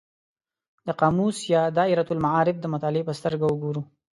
د قاموس یا دایرة المعارف د مطالعې په سترګه وګورو.